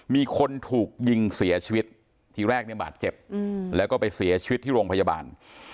มีคนถูกยิงเสียชีวิตทีแรกเนี่ยบาดเจ็บแล้วก็ไปเสียชีวิตที่โรงพยาบาล